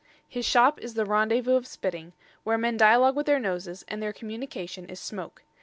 His shop is the Randevous of spitting, where men dialogue with their noses, and their communication is smoake.